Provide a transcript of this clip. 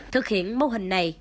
thực hiện mô hình này